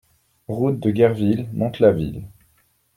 Route de Guerville, Mantes-la-Ville